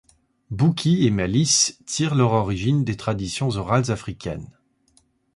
Bouqui et Malice tirent leur origine des traditions orales africaines.